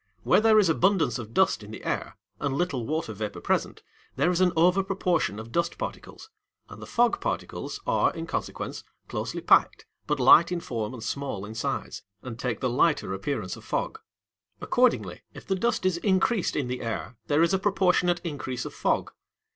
Where there is abundance of dust in the air and little water vapour present, there is an over proportion of dust particles; and the fog particles are, in consequence, closely packed, but light in form and small in size, and take the lighter appearance of fog. Accordingly, if the dust is increased in the air, there is a proportionate increase of fog.